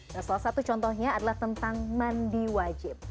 nah salah satu contohnya adalah tentang mandi wajib